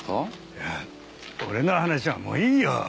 いや俺の話はもういいよ。